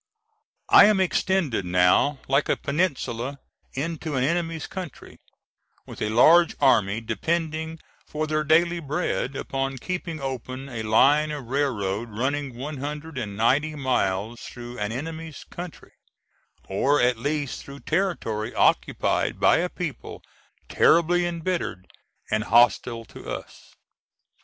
I am extended now like a peninsula into an enemy's country, with a large army depending for their daily bread upon keeping open a line of railroad running one hundred and ninety miles through an enemy's country, or, at least, through territory occupied by a people terribly embittered and hostile to us.